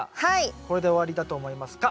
これで終わりだと思いますか？